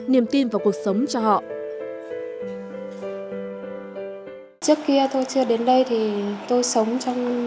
niềm tin vào cuộc sống cho họ trước kia tôi chưa đến đây thì tôi sống trong